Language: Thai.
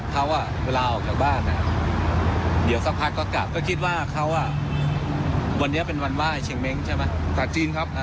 เขาจะโหลดน้ำจะมาบุกผมหรือเปล่า